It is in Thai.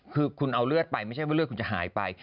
คือคุณเอาเลือดไปไม่ใช่ว่าเลือดคุณจะหายไป